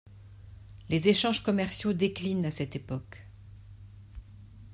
Les échanges commerciaux déclinent à cette époque.